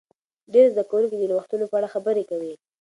ډیر زده کوونکي د نوښتونو په اړه خبرې کوي.